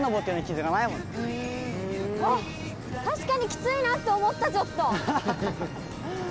あっ確かにキツいなって思ったちょっと。